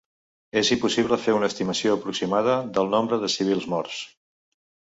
És impossible fer una estimació aproximada del nombre de civils morts.